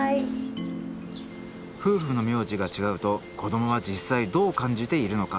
夫婦の名字が違うと子どもは実際どう感じているのか？